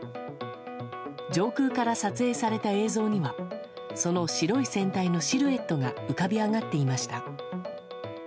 上空から撮影された映像にはその白い船体のシルエットが浮かび上がっていました。